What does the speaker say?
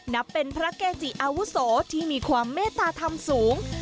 นับเป็นพระเกจิอาวุโสที่มีความเมตตาธรรมสูง